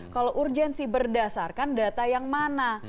kalau urgensi berdasarkan data yang mana